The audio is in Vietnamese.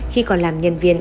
khi còn làm nhân viên